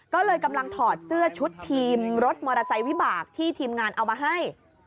ก็เลยกำลังถอดเสื้อชุดทีมรถมอเตอร์ไซค์วิบากที่ทีมงานเอามาให้